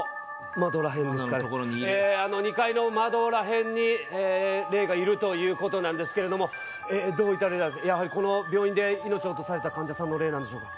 窓の所にいるあの２階の窓ら辺に霊がいるということなんですけれどもどういった霊やはりこの病院で命を落とされた患者さんの霊なんでしょうか？